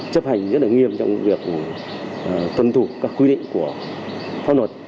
chấp hành rất nghiêm trong việc tuân thủ các quy định của pháp luật